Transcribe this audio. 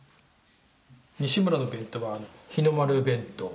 西村の弁当は日の丸弁当。